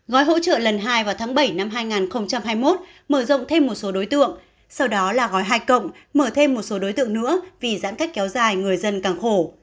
gói hỗ trợ lần hai vào tháng bảy năm hai nghìn hai mươi một mở rộng thêm một số đối tượng sau đó là gói hai cộng mở thêm một số đối tượng nữa vì giãn cách kéo dài người dân càng khổ